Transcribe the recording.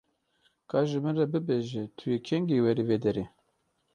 Ka ji min re bibêje tu yê kengî werî vê derê.